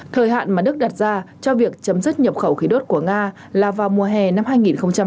thời hạn mà đức đặt ra cho việc chấm dứt nhập khẩu khí đốt của nga là vào mùa hè năm hai nghìn hai mươi